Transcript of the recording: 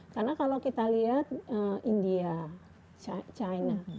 karena kalau kita lihat india china